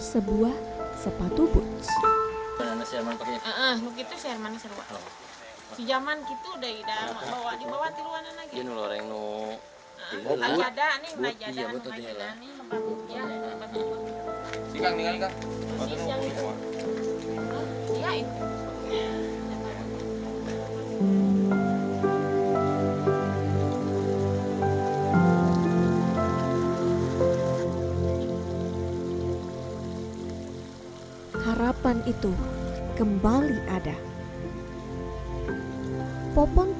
sebuah sepatu budz budz manakah yang mantapnya udah waktu zaman gitu deh membawante perempuan